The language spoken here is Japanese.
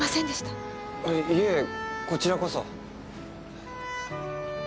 いえこちらこそ。